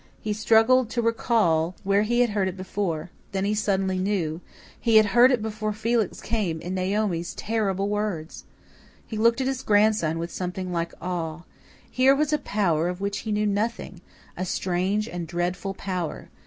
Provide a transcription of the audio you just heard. He struggled to recall where he had heard it before; then he suddenly knew he had heard it before Felix came in Naomi's terrible words! He looked at his grandson with something like awe. Here was a power of which he knew nothing a strange and dreadful power.